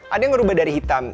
ada yang merubah dari hitam